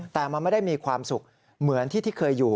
แต่มันไม่ได้มีความสุขเหมือนที่ที่เคยอยู่